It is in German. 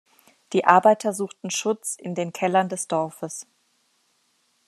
Die Arbeiter suchten Schutz in den Kellern des Dorfes.